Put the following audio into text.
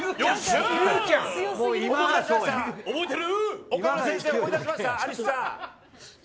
覚えてる。